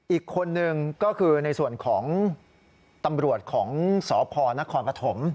อีกคนนึงก็คือในส่วนของตำรวจของสพนครปฐม